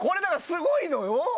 すごいのよ！